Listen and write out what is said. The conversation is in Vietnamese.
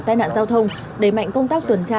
tai nạn giao thông đẩy mạnh công tác tuần tra